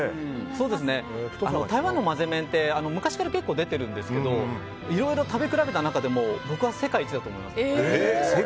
台湾のまぜ麺って昔から結構出てるんですけどいろいろ食べ比べた中でも僕は世界一だと思います。